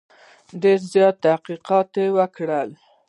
ډېر زیات تحقیقات یې وکړل.